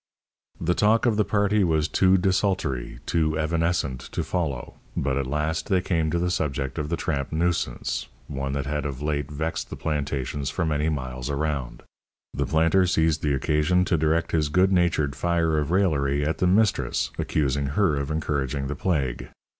The talk of the party was too desultory, too evanescent to follow, but at last they came to the subject of the tramp nuisance, one that had of late vexed the plantations for many miles around. The planter seized the occasion to direct his good natured fire of raillery at the mistress, accusing her of encouraging the plague.